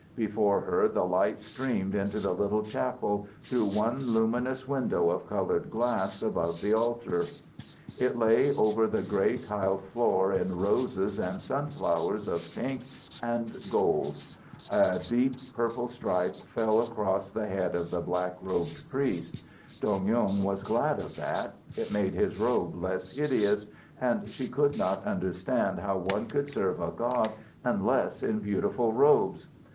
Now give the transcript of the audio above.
Before her, the light streamed into the little chapel through one luminous window of coloured glass above the altar. It lay all over the grey tiled floor in roses and sunflowers of pink and god. A deep purple stripe fell across the head of the black robed priest. Dong Yung was glad of that. It made his robe less hideous, and she could not understand how one could serve a god unless in beautiful robes.